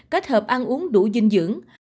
kết hợp ăn uống đủ dinh dưỡng